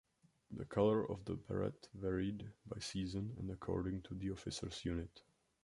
The color of the beret varied by season and according to the officer's unit.